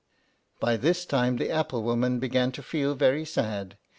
By this time the apple woman began to feel very sad.